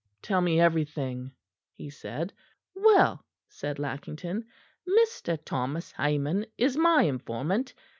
"Tell me everything," he said. "Well," said Lackington, "Mr. Thomas Hamon is my informant.